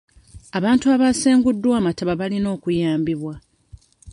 Abantu abasenguddwa amataba balina okuyambibwa